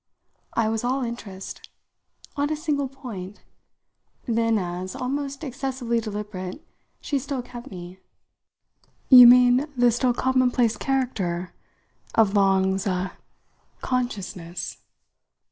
I was all interest. "On a single point?" Then, as, almost excessively deliberate, she still kept me: "You mean the still commonplace character of Long's a consciousness?"